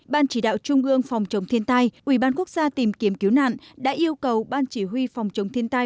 ban chỉ đạo trung ương phòng chống thiên tai ubnd quốc gia tìm kiếm cứu nạn đã yêu cầu ban chỉ huy phòng chống thiên tai